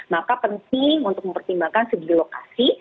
maka penting untuk mempertimbangkan segi lokasi